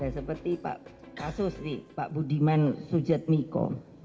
seperti pak kasus nih pak budiman sujat miko